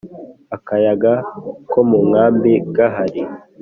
akayaga ko munkambi gahari